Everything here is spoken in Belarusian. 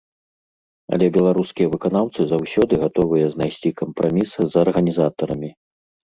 Але беларускія выканаўцы заўсёды гатовыя знайсці кампраміс з арганізатарамі.